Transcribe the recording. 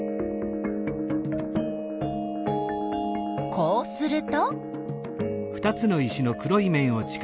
こうすると？